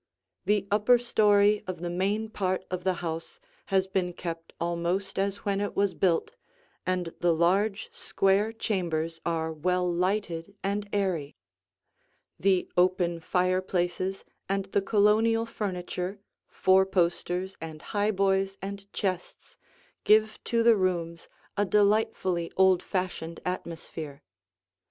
The upper story of the main part of the house has been kept almost as when it was built, and the large square chambers are well lighted and airy. The open fireplaces and the Colonial furniture, four posters and highboys and chests, give to the rooms a delightfully old fashioned atmosphere.